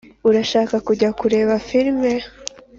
urashaka kujya kureba firime?